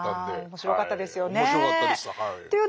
面白かったですはい。